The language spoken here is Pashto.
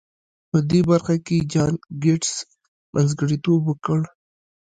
په دې برخه کې جان ګيټس منځګړيتوب وکړ.